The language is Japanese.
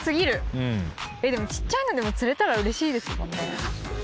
うんでも小っちゃいのでも釣れたらうれしいですもんね